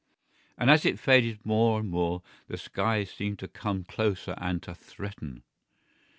And as it faded more and more the skies seemed to come closer and to threaten.